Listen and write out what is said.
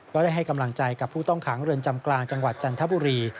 ได้ให้กำลังใจกับผู้ต้องขังเรือนจำกลางจังหวัดจันทบุรี